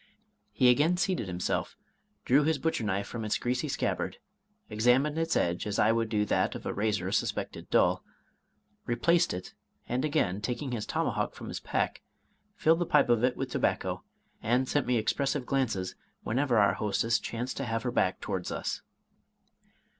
He again seated himself, drew his butcher knife from its greasy scabbard, examined its edge, as I would do that of a razor suspected dull, replaced it, and again taking his tomahawk from his back, filled the pipe of it with tobacco, and sent me expressive glances whenever our hostess chanced to have her back towards us.